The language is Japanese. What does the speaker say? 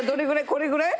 これぐらい？